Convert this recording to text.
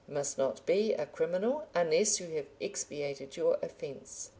You must not be a criminal unless you have expiated your offence.